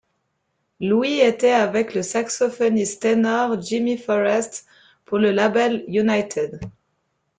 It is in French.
Louis étaient avec le saxophoniste ténor Jimmy Forrest pour le label United.